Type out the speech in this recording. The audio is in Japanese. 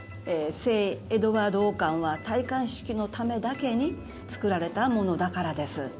聖エドワード王冠は戴冠式のためだけに作られたものだからです。